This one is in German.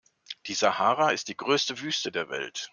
Die Sahara ist die größte Wüste der Welt.